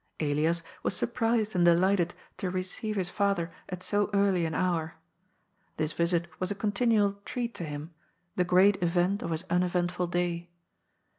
Elias was surprised and delighted to receive his father 102 GOD'S FOOIi. at 80 early an honr. This visit was a continual treat to him, the great event of his uneventful day.